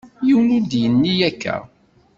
Yiwen ur d-yenni akka.